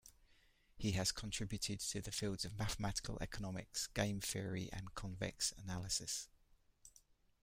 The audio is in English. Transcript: He has contributed to the fields of mathematical economics, game theory, and convex analysis.